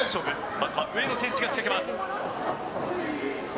まずは上野選手が仕掛けます。